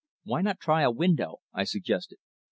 "Why not try a window?" I suggested.